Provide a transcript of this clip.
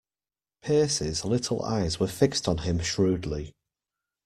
Pearce's little eyes were fixed on him shrewdly.